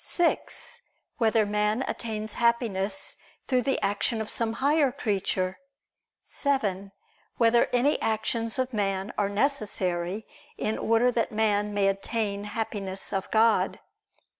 (6) Whether man attains Happiness through the action of some higher creature? (7) Whether any actions of man are necessary in order that man may obtain Happiness of God?